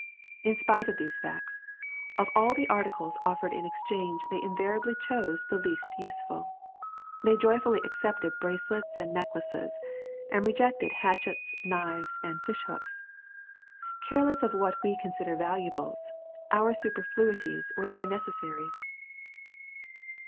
In spite of these facts, of all the articles offered in exchange they invariably chose the least useful. They joyfully accepted bracelets and necklaces, and rejected hatchets, knives, and fish hooks. Careless of what we consider valuables, our superfluities were their necessaries.